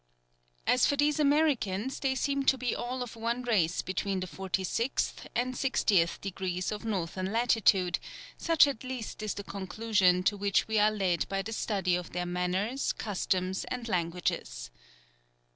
As for these Americans they seem to be all of one race between the 46th and 60th degrees of N. lat., such at least is the conclusion to which we are led by the study of their manners, customs, and languages.